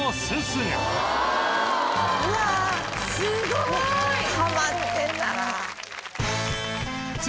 すごーい！